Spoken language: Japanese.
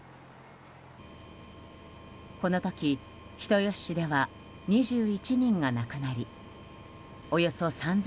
この時、人吉市では２１人が亡くなりおよそ３０００